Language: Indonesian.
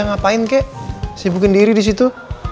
ngapain kek sibukin diri disitu